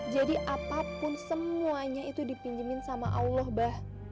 jadi apapun semuanya itu dipinjemin sama allah bah